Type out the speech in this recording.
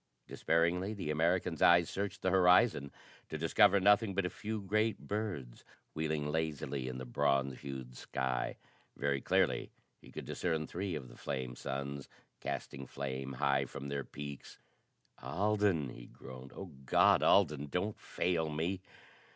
Despairingly, the American's eyes searched the horizon, to discover nothing but a few great birds wheeling lazily in the bronze hued sky. Very clearly he could discern three of the flame suns, casting flame high from their peaks. "Alden!" he groaned. "Oh God, Alden, don't fail me!"